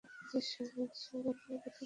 যে যার আপনার পথে চলে যাও।